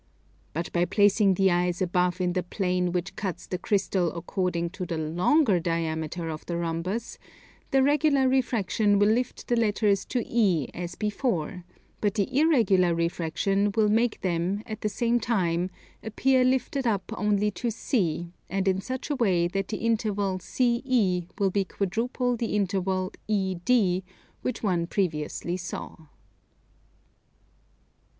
But by placing the eyes above in the plane which cuts the crystal according to the longer diameter of the rhombus, the regular refraction will lift the letters to E as before; but the irregular refraction will make them, at the same time, appear lifted up only to C; and in such a way that the interval CE will be quadruple the interval ED, which one previously saw.